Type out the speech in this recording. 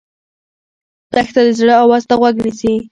دښته د زړه آواز ته غوږ نیسي.